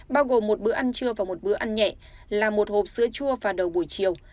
bao gồm một bữa ăn trưa và một bữa ăn nhẹ là một hộp sữa chua vào đầu buổi chiều